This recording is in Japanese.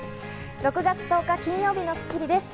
６月１０日、金曜日の『スッキリ』です。